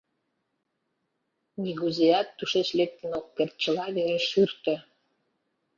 Нигузеат тушеч лектын ок керт, чыла вере шӱртӧ.